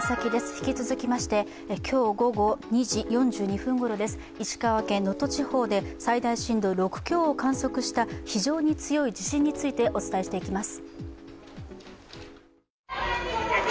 引き続きまして今日午後２時４２分ごろです、石川県能登地方で最大震度６強を観測した非常に強い地震についてお伝えしていきます。